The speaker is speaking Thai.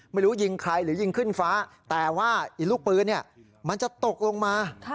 ไม่รู้ยิงใครหรือยิงขึ้นฟ้าแต่ว่าลูกปืนมันจะตกลงมา